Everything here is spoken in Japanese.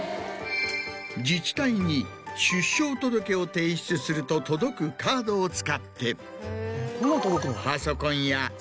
自治体に出生届を提出すると届くカードを使って。